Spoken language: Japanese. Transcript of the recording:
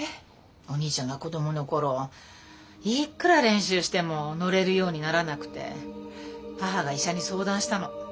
お兄ちゃんが子供の頃いっくら練習しても乗れるようにならなくて母が医者に相談したの。